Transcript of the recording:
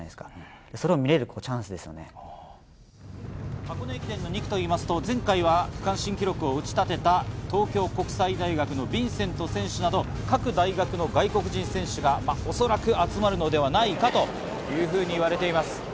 箱根駅伝の２区と言いますと前回は区間新記録を打ち立てた東京国際大学のヴィンセント選手など各大学の外国人選手がおそらく集まるのではないかというふうに言われています。